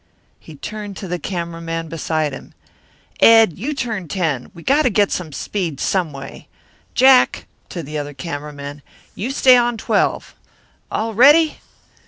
He turned to the camera man beside him. "Ed, you turn ten we got to get some speed some way. Jack" to the other camera man "you stay on twelve. All ready!